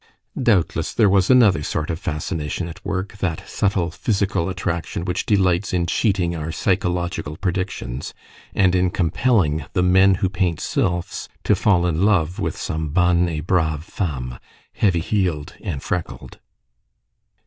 Doubtless there was another sort of fascination at work that subtle physical attraction which delights in cheating our psychological predictions, and in compelling the men who paint sylphs, to fall in love with some bonne et brave femme, heavy heeled and freckled.